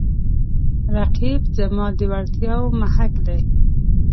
رقیب زما د وړتیاو محک دی